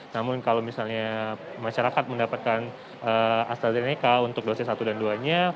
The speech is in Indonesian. namun kalau misalnya masyarakat mendapatkan astrazeneca untuk dosis satu dan dua nya